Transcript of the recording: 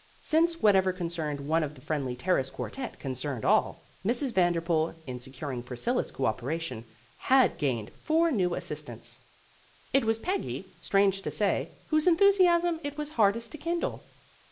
Since whatever concerned one of the Friendly Terrace quartette concerned all, Mrs. Vanderpool in securing Priscilla 's cooperation had gained four new assis tants. It was Peggy, strange to say, whose enthusiasm it was hardest to kindle.